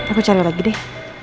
aku cari lagi deh